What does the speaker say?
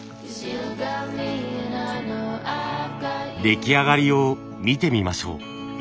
出来上がりを見てみましょう。